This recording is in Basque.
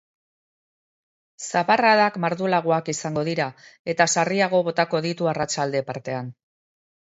Zaparradak mardulagoak izango dira eta sarriago botako ditu arratsalde partean.